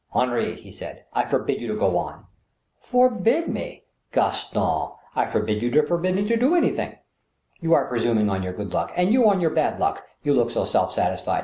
" Henri," he said, " I forbid you to go on." "Forbid me! Gaston, I forbid you to forbid me to do any thing." " You are presuming on your good luck ..."" And you on your bad luck ..."" You look so self satisfied .